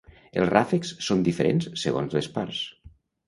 Els ràfecs són diferents segons les parts.